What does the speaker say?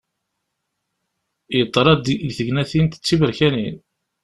Yeḍra-d deg tegnatin d tiberkanin.